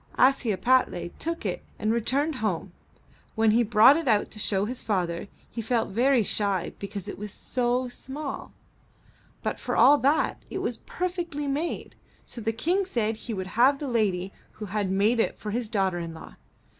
Ashiepattle took it and returned home. When he brought it out to show his father, he felt very shy because it was so small. But for all that it was per fectly made, so the King said he would have the lady who had made it for his daughter in law.